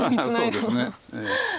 そうですね。